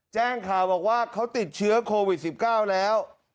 แจ้งข่าวบอกว่าเขาติดเชื้อโควิด๑๙แล้ว